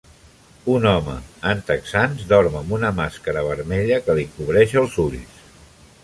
Un home en texans dorm amb una màscara vermella que li cobreix els ulls.